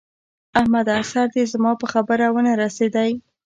احمده! سر دې زما په خبره و نه رسېدی!